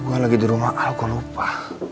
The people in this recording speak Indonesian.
gue lagi di rumah al kok lupa